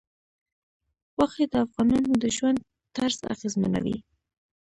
غوښې د افغانانو د ژوند طرز اغېزمنوي.